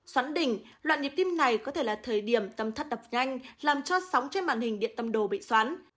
xoắn đỉnh loạn nhịp tim này có thể là thời điểm tâm thất đập nhanh làm cho sóng trên màn hình điện tâm đồ bị xoán